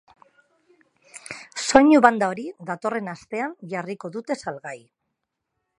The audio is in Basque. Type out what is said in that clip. Soinu-banda hori datorrena stean jarriko dute salgai.